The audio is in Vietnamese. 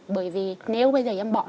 bởi vì nếu bây giờ em bỏ